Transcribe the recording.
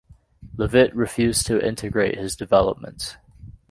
Levitt refused to integrate his developments.